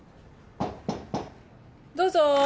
・どうぞ。